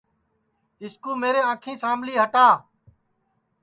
اِس کُو میرے انکھی سام لی ہٹا